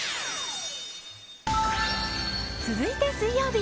続いて水曜日。